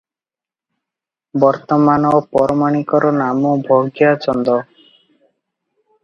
ବର୍ତ୍ତମାନ ପରମାଣିକର ନାମ ଭଗିଆ ଚନ୍ଦ ।